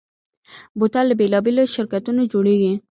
بوتل له بېلابېلو شرکتونو جوړېږي.